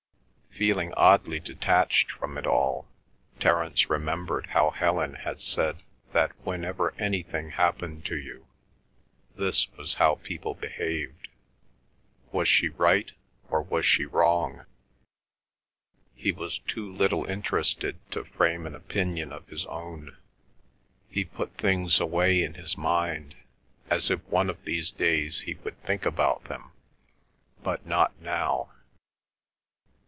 Feeling oddly detached from it all, Terence remembered how Helen had said that whenever anything happened to you this was how people behaved. Was she right, or was she wrong? He was too little interested to frame an opinion of his own. He put things away in his mind, as if one of these days he would think about them, but not now.